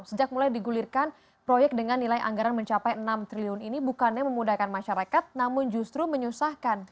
sejak mulai digulirkan proyek dengan nilai anggaran mencapai enam triliun ini bukannya memudahkan masyarakat namun justru menyusahkan